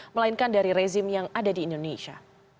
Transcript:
melainkan dari rezim yang ada di indonesia